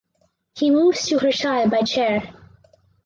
He moves to her chai by chair.